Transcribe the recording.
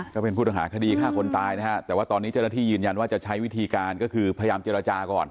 ก็เป็นผู้ต้องหาคดีฆ่าคนตายนะฮะแต่ว่าตอนนี้เจ้าหน้าที่ยืนยันว่าจะใช้วิธีการก็คือพยายามเจรจาก่อน